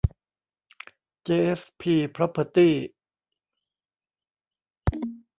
เจ เอส พี พร็อพเพอร์ตี้